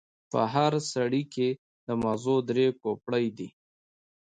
په هر سر کې یې د ماغزو درې کوپړۍ دي.